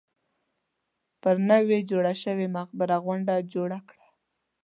پر نوې جوړه شوې مقبره غونډه جوړه کړه.